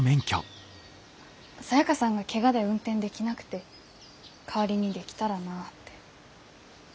サヤカさんがけがで運転できなくて代わりにできたらなって。